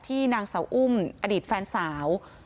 นางสาวอุ้มอดีตแฟนสาว